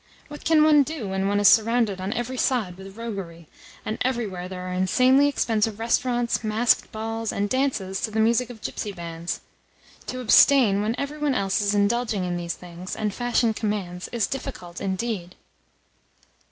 What can one do when one is surrounded on every side with roguery, and everywhere there are insanely expensive restaurants, masked balls, and dances to the music of gipsy bands? To abstain when every one else is indulging in these things, and fashion commands, is difficult indeed!